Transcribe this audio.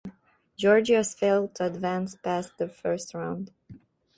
Georgeos failed to advance past the first round.